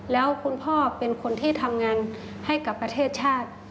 แล้วคุณพ่อเป็นคนที่ทำงานให้กับประเทศชาติ